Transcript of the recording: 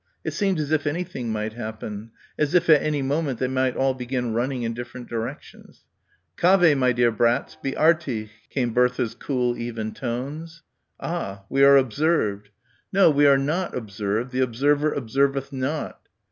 It seemed as if anything might happen; as if at any moment they might all begin running in different directions. "Cave, my dear brats, be artig," came Bertha's cool even tones. "Ah! we are observed." "No, we are not observed. The observer observeth not."